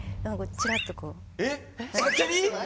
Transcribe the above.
ちらっとこう。